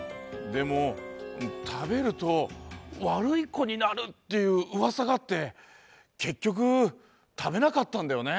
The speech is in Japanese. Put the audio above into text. でもたべると「わるいこになる」っていううわさがあってけっきょくたべなかったんだよね。